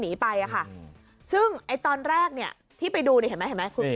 หนีไปอะค่ะซึ่งตอนแรกนี่ที่ไปดูนี่ให้มั้ยเห็นไหมคุณ